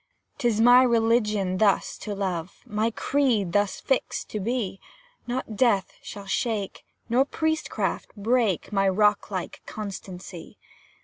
'Tis my religion thus to love, My creed thus fixed to be; Not Death shall shake, nor Priestcraft break My rock like constancy!